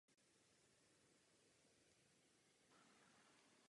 Ještě jako sedmnáctiletý student vystupoval po celém Sovětském svazu.